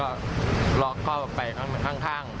ก็ร็อกค่อกลับไปข้าง